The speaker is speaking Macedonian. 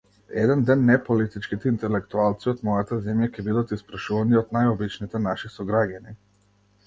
Еден ден неполитичките интелектуалци од мојата земја ќе бидат испрашувани од најобичните наши сограѓани.